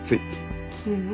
ううん。